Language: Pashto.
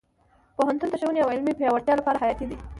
پوهنتون د ښوونې او علمي پیاوړتیا لپاره حیاتي دی.